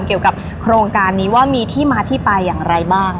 เกี่ยวกับโครงการนี้ว่ามีที่มาที่ไปอย่างไรบ้าง